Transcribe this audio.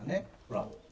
「ほら」